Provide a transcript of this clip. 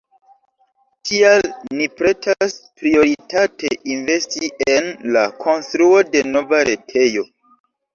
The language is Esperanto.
Tial ni pretas prioritate investi en la konstruo de nova retejo.